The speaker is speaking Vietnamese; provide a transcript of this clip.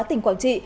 tỉnh quảng trị